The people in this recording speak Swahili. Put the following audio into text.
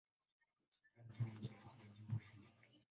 Port Sudan ndio mji mkuu wa jimbo hili.